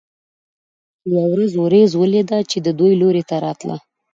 یوه ورځ ورېځ ولیده چې د دوی لوري ته راتله.